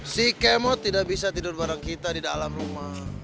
si kemo tidak bisa tidur bareng kita di dalam rumah